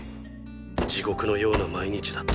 地獄のような毎日だった。